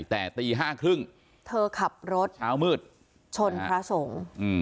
แต่ตีห้าครึ่งเธอขับรถเช้ามืดชนพระสงฆ์